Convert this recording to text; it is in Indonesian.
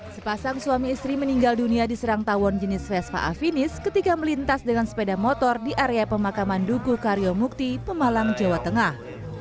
sepasang suami istri meninggal dunia diserang tawon jenis vespa afinis ketika melintas dengan sepeda motor di area pemakaman dukuh karyo mukti pemalang jawa tengah